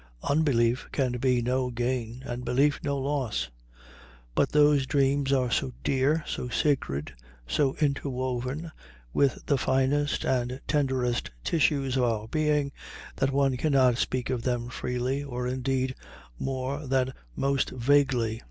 Unbelief can be no gain, and belief no loss. But those dreams are so dear, so sacred, so interwoven with the finest and tenderest tissues of our being that one cannot speak of them freely, or indeed more than most vaguely.